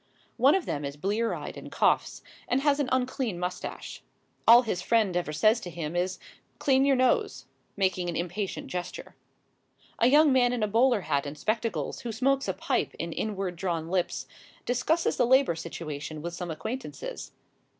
One of them is blear eyed and coughs, and has an unclean moustache. All his friend ever says to him is: "Clean your nose," making an impatient gesture. A young man in a bowler hat and spectacles, who smokes a pipe in inward drawn lips, discusses the Labour situation with some acquaintances.